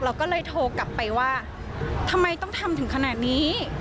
เราก็เลยโทรกลับไปว่าทำไมต้องทำถึงขนาดนี้